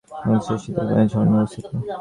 বাংলাদেশে শীতল পানির ঝরনা অবস্থিত?